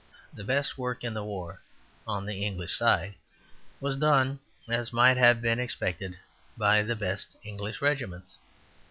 The best work in the war on the English side was done, as might have been expected, by the best English regiments.